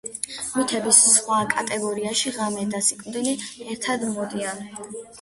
მითების სხვა კატეგორიაში ღამე და სიკვდილი ერთად მოდიან.